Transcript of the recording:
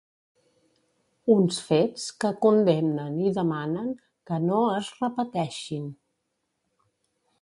Uns fets que condemnen i demanen que no es repeteixin.